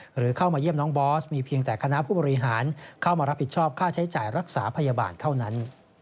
หรือเข้ามาเยี่ยมน้องบอสมีเพียงแต่คณะผู้บริหารเข้ามารับผิดชอบค่าใช้จ่ายรักษาพยาบาลเท่านั้น